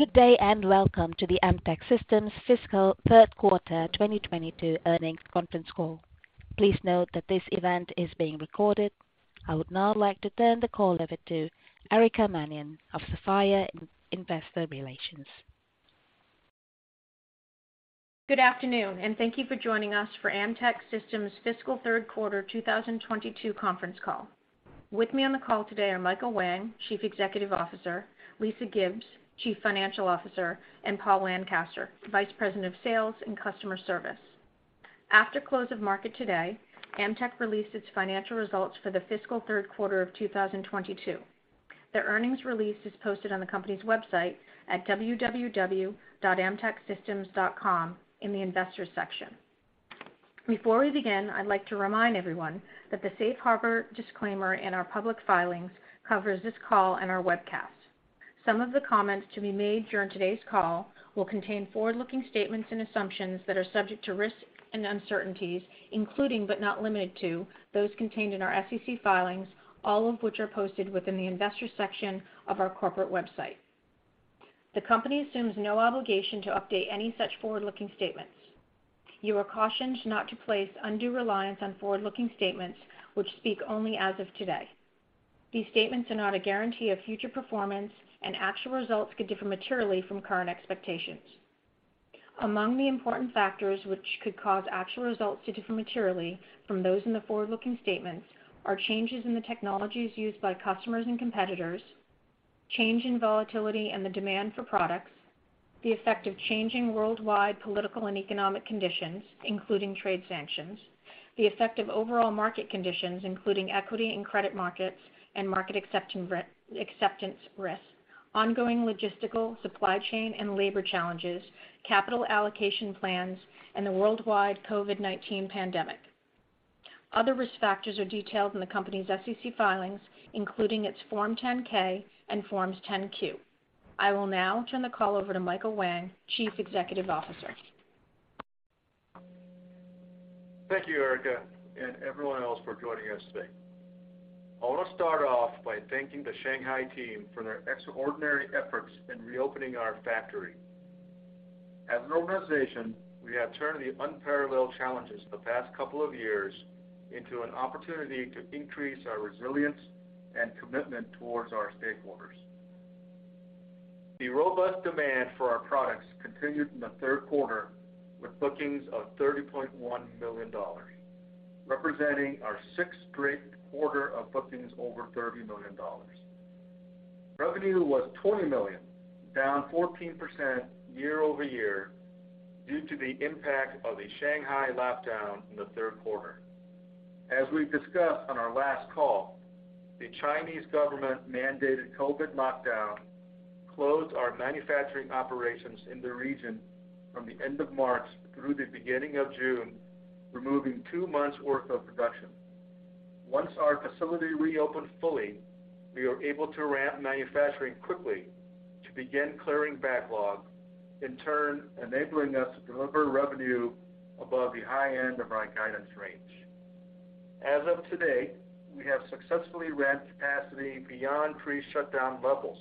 Good day, and welcome to the Amtech Systems Fiscal Third Quarter 2022 Earnings Conference Call. Please note that this event is being recorded. I would now like to turn the call over to Erica Mannion of Sapphire Investor Relations. Good afternoon, and thank you for joining us for Amtech Systems Fiscal Third Quarter 2022 conference call. With me on the call today are Michael Whang, Chief Executive Officer, Lisa Gibbs, Chief Financial Officer, and Paul Lancaster, Vice President of Sales and Customer Service. After close of market today, Amtech released its financial results for the fiscal third quarter of 2022. The earnings release is posted on the company's website at www.amtechsystems.com in the Investors section. Before we begin, I'd like to remind everyone that the safe harbor disclaimer in our public filings covers this call and our webcast. Some of the comments to be made during today's call will contain forward-looking statements and assumptions that are subject to risks and uncertainties, including, but not limited to, those contained in our SEC filings, all of which are posted within the Investors section of our corporate website. The company assumes no obligation to update any such forward-looking statements. You are cautioned not to place undue reliance on forward-looking statements which speak only as of today. These statements are not a guarantee of future performance, and actual results could differ materially from current expectations. Among the important factors which could cause actual results to differ materially from those in the forward-looking statements are changes in the technologies used by customers and competitors, change in volatility and the demand for products, the effect of changing worldwide political and economic conditions, including trade sanctions, the effect of overall market conditions, including equity and credit markets and market acceptance risk, ongoing logistical, supply chain, and labor challenges, capital allocation plans, and the worldwide COVID-19 pandemic. Other risk factors are detailed in the company's SEC filings, including its Form 10-K and Forms 10-Q. I will now turn the call over to Michael Whang, Chief Executive Officer. Thank you, Erica, and everyone else for joining us today. I want to start off by thanking the Shanghai team for their extraordinary efforts in reopening our factory. As an organization, we have turned the unparalleled challenges of the past couple of years into an opportunity to increase our resilience and commitment towards our stakeholders. The robust demand for our products continued in the third quarter with bookings of $30.1 million, representing our sixth straight quarter of bookings over $30 million. Revenue was $20 million, down 14% year-over-year due to the impact of the Shanghai lockdown in the third quarter. As we discussed on our last call, the Chinese government-mandated COVID lockdown closed our manufacturing operations in the region from the end of March through the beginning of June, removing two months' worth of production. Once our facility reopened fully, we were able to ramp manufacturing quickly to begin clearing backlog, in turn enabling us to deliver revenue above the high end of our guidance range. As of today, we have successfully ramped capacity beyond pre-shutdown levels,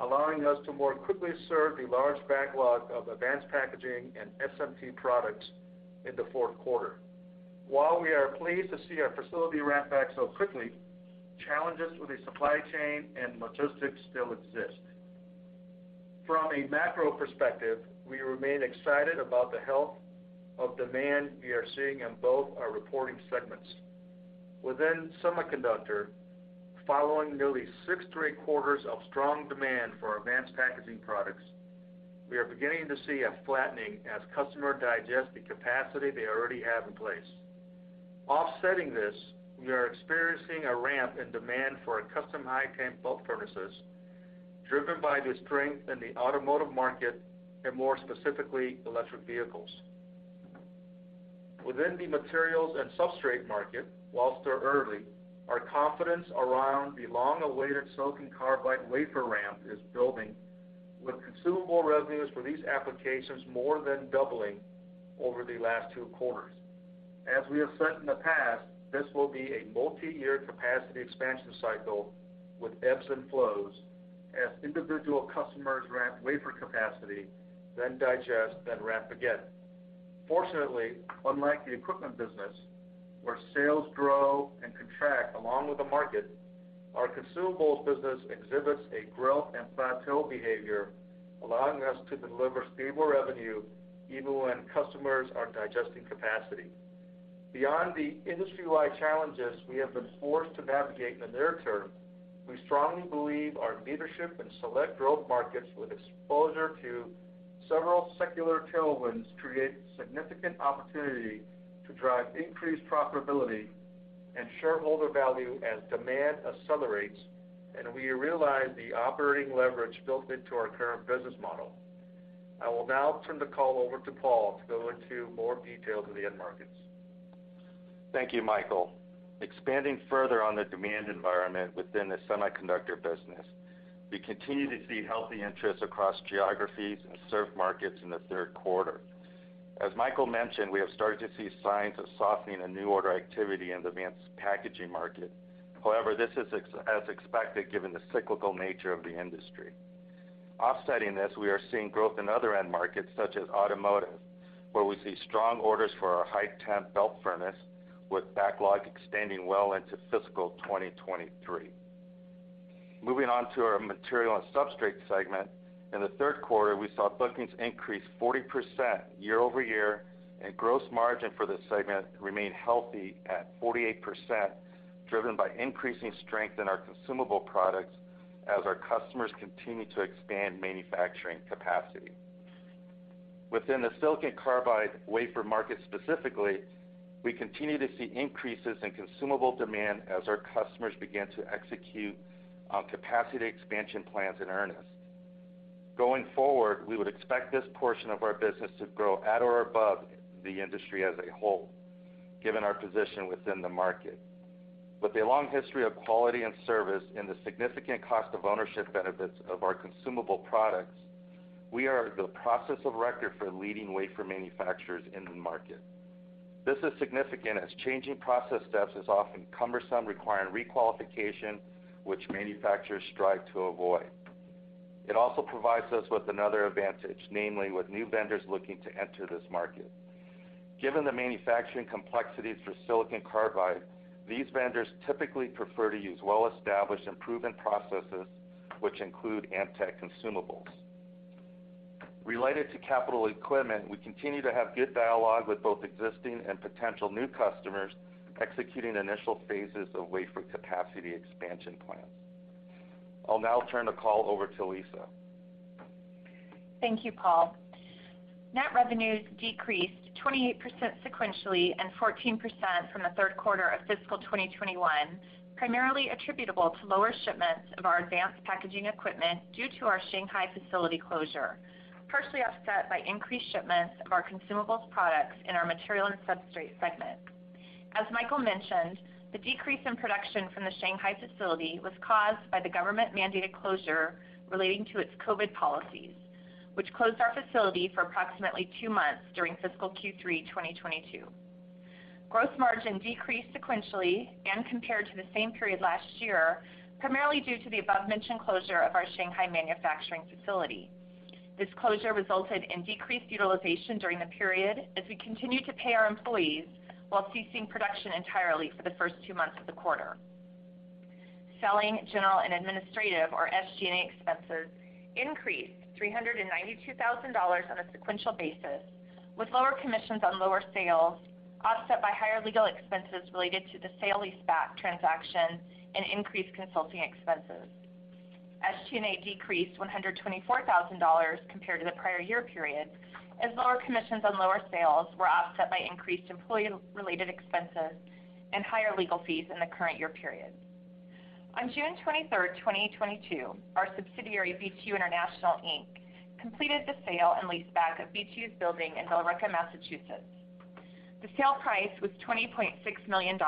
allowing us to more quickly serve the large backlog of advanced packaging and SMT products in the fourth quarter. While we are pleased to see our facility ramp back so quickly, challenges with the supply chain and logistics still exist. From a macro perspective, we remain excited about the health of demand we are seeing in both our reporting segments. Within Semiconductor, following nearly six straight quarters of strong demand for advanced packaging products, we are beginning to see a flattening as customer digests the capacity they already have in place. Offsetting this, we are experiencing a ramp in demand for our custom high temp belt furnaces, driven by the strength in the automotive market, and more specifically, electric vehicles. Within the materials and substrate market, while they're early, our confidence around the long-awaited silicon carbide wafer ramp is building, with consumable revenues for these applications more than doubling over the last two quarters. As we have said in the past, this will be a multi-year capacity expansion cycle with ebbs and flows as individual customers ramp wafer capacity, then digest, then ramp again. Fortunately, unlike the equipment business, where sales grow and contract along with the market, our consumables business exhibits a growth and plateau behavior, allowing us to deliver stable revenue even when customers are digesting capacity. Beyond the industry-wide challenges we have been forced to navigate in the near term, we strongly believe our leadership in select growth markets with exposure to several secular tailwinds create significant opportunity to drive increased profitability and shareholder value as demand accelerates, and we realize the operating leverage built into our current business model. I will now turn the call over to Paul to go into more detail to the end markets. Thank you, Michael. Expanding further on the demand environment within the Semiconductor business, we continue to see healthy interest across geographies and served markets in the third quarter. As Michael mentioned, we have started to see signs of softening in new order activity in the advanced packaging market. However, this is as expected given the cyclical nature of the industry. Offsetting this, we are seeing growth in other end markets such as automotive, where we see strong orders for our high temp belt furnace with backlog extending well into fiscal 2023. Moving on to our material and substrate segment. In the third quarter, we saw bookings increase 40% year-over-year, and gross margin for this segment remained healthy at 48%, driven by increasing strength in our consumable products as our customers continue to expand manufacturing capacity. Within the silicon carbide wafer market specifically, we continue to see increases in consumable demand as our customers begin to execute capacity expansion plans in earnest. Going forward, we would expect this portion of our business to grow at or above the industry as a whole, given our position within the market. With a long history of quality and service and the significant cost of ownership benefits of our consumable products, we are the process of record for leading wafer manufacturers in the market. This is significant as changing process steps is often cumbersome, requiring re-qualification, which manufacturers strive to avoid. It also provides us with another advantage, namely with new vendors looking to enter this market. Given the manufacturing complexities for silicon carbide, these vendors typically prefer to use well-established and proven processes which include Amtech consumables. Related to capital equipment, we continue to have good dialogue with both existing and potential new customers executing initial phases of wafer capacity expansion plans. I'll now turn the call over to Lisa. Thank you, Paul. Net revenues decreased 28% sequentially and 14% from the third quarter of fiscal 2021, primarily attributable to lower shipments of our advanced packaging equipment due to our Shanghai facility closure, partially offset by increased shipments of our consumables products in our material and substrate segment. As Michael mentioned, the decrease in production from the Shanghai facility was caused by the government-mandated closure relating to its COVID policies, which closed our facility for approximately 2 months during fiscal Q3 2022. Gross margin decreased sequentially and compared to the same period last year, primarily due to the above-mentioned closure of our Shanghai manufacturing facility. This closure resulted in decreased utilization during the period as we continued to pay our employees while ceasing production entirely for the first 2 months of the quarter. Selling, general, and administrative, or SG&A expenses increased $392,000 on a sequential basis, with lower commissions on lower sales, offset by higher legal expenses related to the sale-leaseback transaction and increased consulting expenses. SG&A decreased $124,000 compared to the prior year period, as lower commissions on lower sales were offset by increased employee-related expenses and higher legal fees in the current year period. On June 23, 2022, our subsidiary, BTU International Inc., completed the sale and leaseback of BTU's building in Billerica, Massachusetts. The sale price was $20.6 million.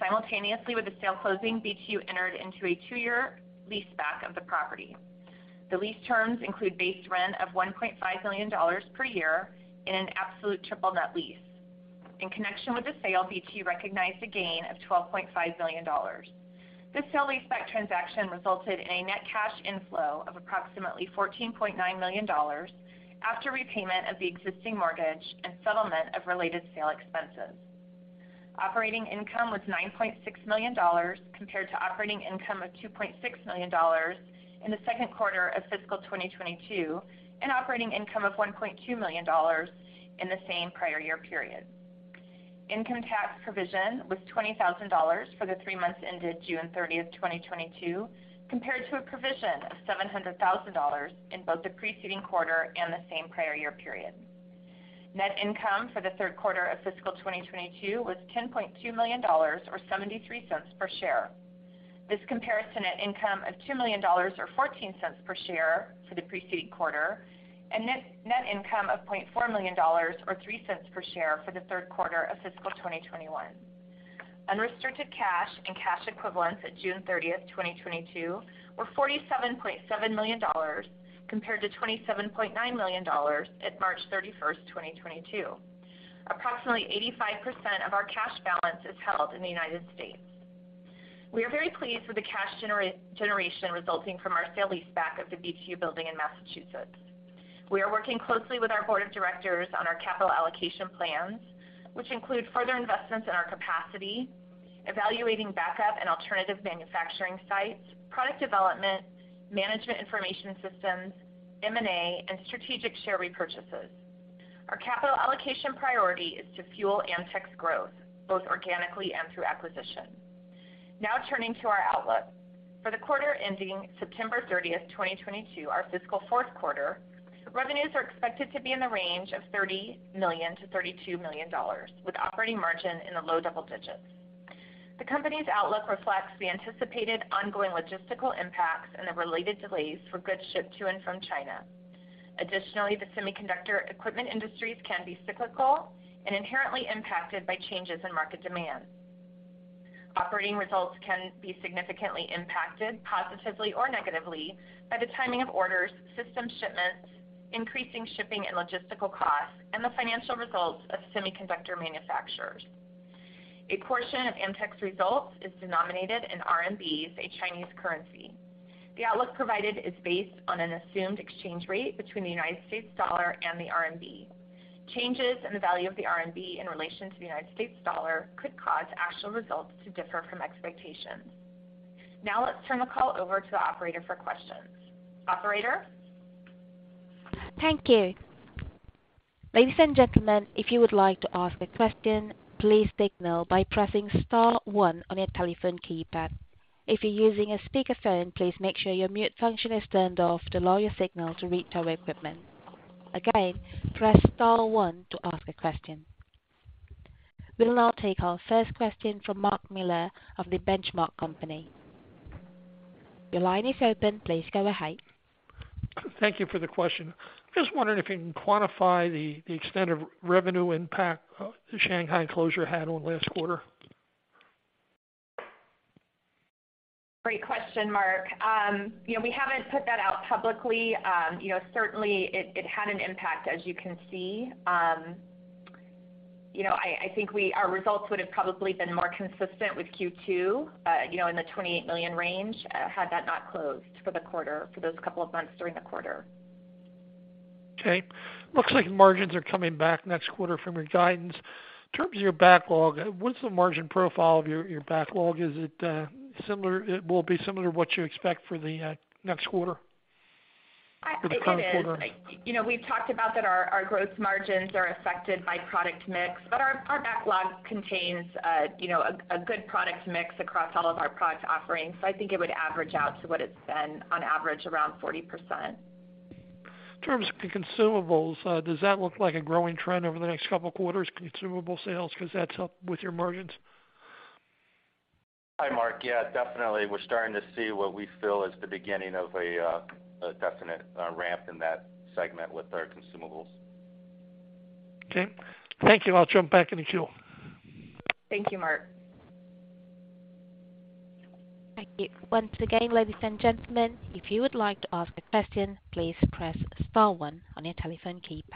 Simultaneously with the sale closing, BTU entered into a two-year leaseback of the property. The lease terms include base rent of $1.5 million per year in an absolute triple-net lease. In connection with the sale, BTU recognized a gain of $12.5 million. This sale leaseback transaction resulted in a net cash inflow of approximately $14.9 million after repayment of the existing mortgage and settlement of related sale expenses. Operating income was $9.6 million compared to operating income of $2.6 million in the second quarter of fiscal 2022, and operating income of $1.2 million in the same prior year period. Income tax provision was $20 thousand for the three months ended June thirtieth, 2022, compared to a provision of $700 thousand in both the preceding quarter and the same prior year period. Net income for the third quarter of fiscal 2022 was $10.2 million or $0.73 per share. This compares to net income of $2 million or $0.14 per share for the preceding quarter, and net income of $0.4 million or $0.03 per share for the third quarter of fiscal 2021. Unrestricted cash and cash equivalents at June 30, 2022, were $47.7 million, compared to $27.9 million at March 31, 2022. Approximately 85% of our cash balance is held in the United States. We are very pleased with the cash generation resulting from our sale-leaseback of the BTU building in Massachusetts. We are working closely with our board of directors on our capital allocation plans, which include further investments in our capacity, evaluating backup and alternative manufacturing sites, product development, management information systems, M&A, and strategic share repurchases. Our capital allocation priority is to fuel Amtech's growth, both organically and through acquisition. Now turning to our outlook. For the quarter ending September 30, 2022, our fiscal fourth quarter, revenues are expected to be in the range of $30 million-$32 million with operating margin in the low double digits%. The company's outlook reflects the anticipated ongoing logistical impacts and the related delays for goods shipped to and from China. Additionally, the semiconductor equipment industries can be cyclical and inherently impacted by changes in market demand. Operating results can be significantly impacted positively or negatively by the timing of orders, system shipments, increasing shipping and logistical costs, and the financial results of semiconductor manufacturers. A portion of Amtech's results is denominated in RMBs, a Chinese currency. The outlook provided is based on an assumed exchange rate between the United States dollar and the RMB. Changes in the value of the RMB in relation to the U.S. dollar could cause actual results to differ from expectations. Now let's turn the call over to the operator for questions. Operator? Thank you. Ladies and gentlemen, if you would like to ask a question, please signal by pressing star one on your telephone keypad. If you're using a speakerphone, please make sure your mute function is turned off to allow your signal to reach our equipment. Again, press star one to ask a question. We'll now take our first question from Mark Miller of The Benchmark Company. Your line is open. Please go ahead. Thank you for the question. Just wondering if you can quantify the extent of revenue impact the Shanghai closure had on last quarter. Great question, Mark. You know, we haven't put that out publicly. Certainly it had an impact, as you can see. I think our results would have probably been more consistent with q2 in the $28 million range, had that not closed for the quarter, for those couple of months during the quarter. Okay. Looks like margins are coming back next quarter from your guidance. In terms of your backlog, what's the margin profile of your backlog? Is it similar? It will be similar to what you expect for the next quarter or the current quarter. It is. You know, we've talked about that our gross margins are affected by product mix, but our backlog contains a good product mix across all of our product offerings. I think it would average out to what it's been on average, around 40%. In terms of consumables, does that look like a growing trend over the next couple quarters, consumable sales? Because that's helped with your margins. Hi, Mark. Yeah, definitely. We're starting to see what we feel is the beginning of a definite ramp in that segment with our consumables. Okay. Thank you. I'll jump back in the queue. Thank you, Mark. Thank you. Once again, ladies and gentlemen, if you would like to ask a question, please press star one on your telephone keypad.